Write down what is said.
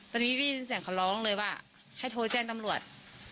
ตอนนี้ได้ยินเสียงเขาร้องเลยว่าให้โทรแจ้งตำรวจ